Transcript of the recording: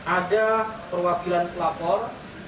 ada perwakilan pelapor